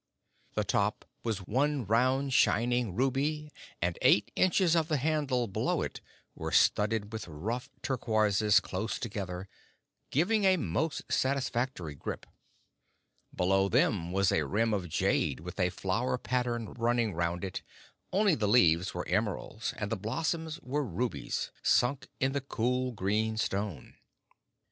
The top was one round shining ruby, and twelve inches of the handle below it were studded with rough turquoises close together, giving a most satisfactory grip. Below them was a rim of jade with a flower pattern running round it only the leaves were emeralds, and the blossoms were rubies sunk in the cool, green stone.